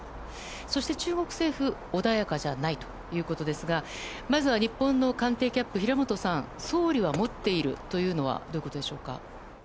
そして、中国政府は穏やかじゃないということですがまずは、日本の官邸キャップ平本さん総理は持っているというのはどういうことでしょうか。